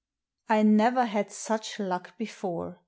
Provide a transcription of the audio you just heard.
I never had such luck before.